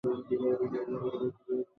সমস্ত শরীর পাথর হয়ে গেছে।